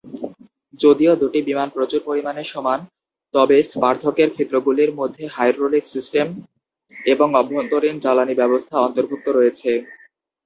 যদিও দুটি বিমান প্রচুর পরিমাণে সমান, তবে পার্থক্যের ক্ষেত্রগুলির মধ্যে হাইড্রোলিক সিস্টেম এবং অভ্যন্তরীণ জ্বালানী ব্যবস্থা অন্তর্ভুক্ত রয়েছে।